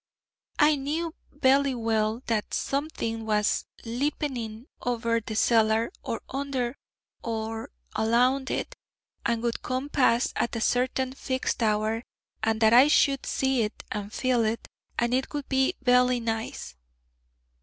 'I knew vely well that something was lipening over the cellar, or under, or alound it, and would come to pass at a certain fixed hour, and that I should see it, and feel it, and it would be vely nice.'